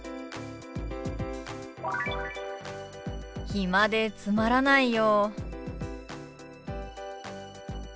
「暇でつまらないよ」。